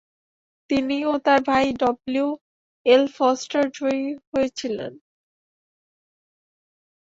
তিনি ও তার ভাই ডব্লিউ. এল. ফস্টার জয়ী হয়েছিলেন।